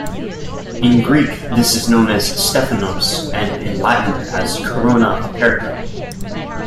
In Greek this is known as "stephanos" and in Latin as "corona aperta".